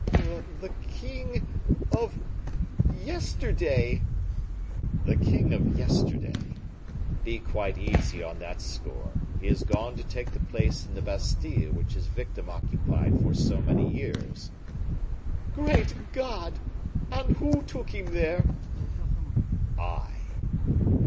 "The king of yesterday." "The king of yesterday! be quite easy on that score; he has gone to take the place in the Bastile which his victim occupied for so many years." "Great God! And who took him there?" "I."